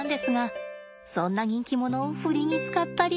そんな人気者をフリに使ったりして。